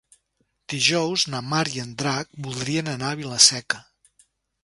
Dijous na Mar i en Drac voldrien anar a Vila-seca.